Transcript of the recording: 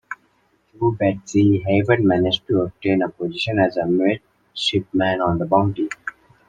Through Betsy, Hayward managed to obtain a position as a midshipman on the "Bounty".